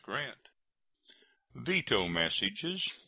GRANT. VETO MESSAGES.